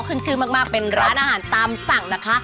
ขึ้นชื่อมากเป็นร้านอาหารตามสั่งนะคะ